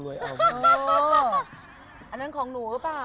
อันนั้นของหนูหรือเปล่า